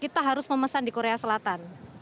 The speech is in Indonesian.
kita harus memesan di korea selatan